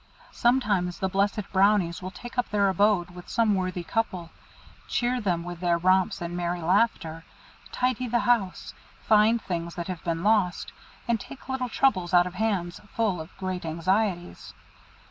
Sometimes the Blessed Brownies will take up their abode with some worthy couple, cheer them with their romps and merry laughter, tidy the house, find things that have been lost, and take little troubles out of hands full of great anxieties.